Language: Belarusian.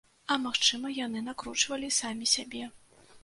А магчыма, яны накручвалі самі сябе.